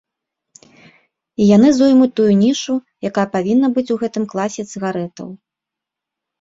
І яны зоймуць тую нішу, якая павінна быць у гэтым класе цыгарэтаў.